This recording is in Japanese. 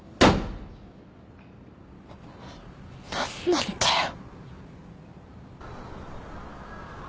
何なんだよ。